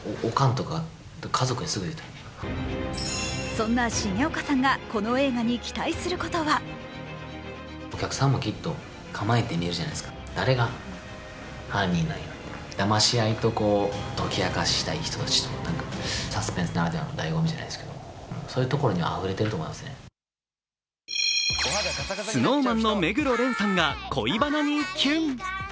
そんな重岡さんがこの映画に期待することはＳｎｏｗＭａｎの目黒蓮さんが恋バナにキュン。